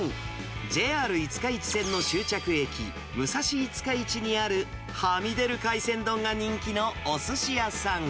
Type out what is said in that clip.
ＪＲ五日市線の終着駅、武蔵五日市にあるはみ出る海鮮丼が人気のおすし屋さん。